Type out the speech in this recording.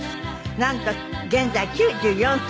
なんと現在９４歳。